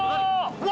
うわ！